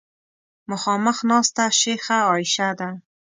مخامخ ناسته شیخه عایشه ده.